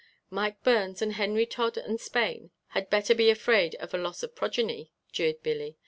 "Mike Burns and Henry Todd and Spain had better be afraid of a loss of progeny," jeered Billy.